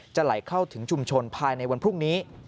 ไหลเข้าถึงชุมชนภายในวันพรุ่งนี้